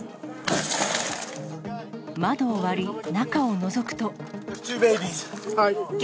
窓を割り、中をのぞくと。